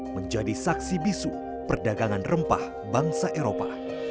menjadi saksi bisu perdagangan rempah bangsa eropa